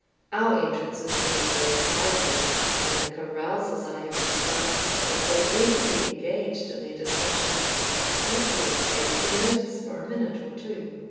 Our entrance was made so quietly, and the carousers I have described were so eagerly engaged in their discussions, that we escaped their notice for a minute or two.